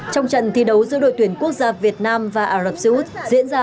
trong trận thi đấu giữa đội tuyển quốc gia việt nam và ả rập xê út diễn ra